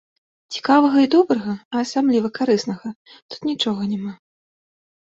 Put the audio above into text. Цікавага і добрага, а асабліва карыснага тут нічога няма.